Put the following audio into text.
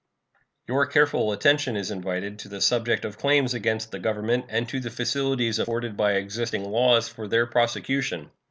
Your careful attention is invited to the subject of claims against the Government and to the facilities afforded by existing laws for their prosecution.